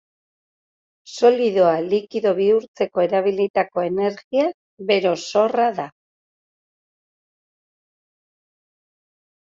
Solidoa likido bihurtzeko erabilitako energia bero-sorra da.